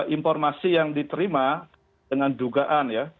informasi yang diterima dengan dugaan ya